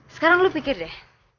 sekarang lo pikir deh